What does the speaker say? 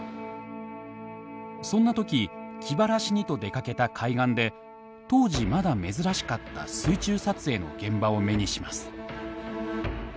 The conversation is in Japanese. そんな時気晴らしにと出かけた海岸で当時まだ珍しかった水中撮影の現場を目にします。